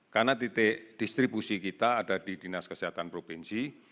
karena titik distribusi kita ada di dinas kesehatan provinsi